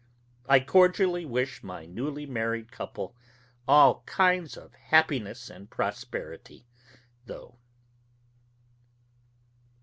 I cordially wish my newly married couple all kinds of happiness and prosperity, though.